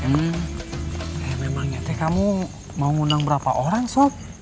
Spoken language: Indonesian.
memangnya teh kamu mau ngundang berapa orang sob